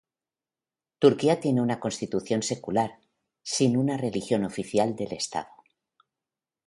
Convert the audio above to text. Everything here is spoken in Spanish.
Turquía tiene una constitución secular, sin una religión oficial del estado.